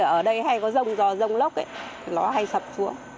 ở đây hay có rồng giò rồng lốc ấy nó hay sập xuống